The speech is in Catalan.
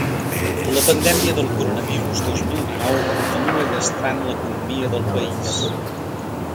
La pandèmia del coronavirus dos mil dinou continua llastrant l’economia del país.